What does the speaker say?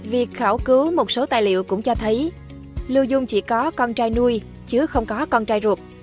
việc khảo cứu một số tài liệu cũng cho thấy lưu dung chỉ có con trai nuôi chứ không có con trai ruột